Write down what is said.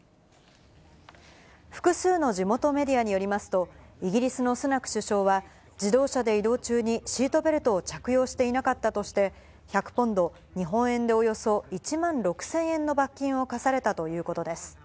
複数の地元メディアによりますと、イギリスのスナク首相は、自動車で移動中にシートベルトを着用していなかったとして、１００ポンド、日本円でおよそ１万６０００円の罰金を科されたということです。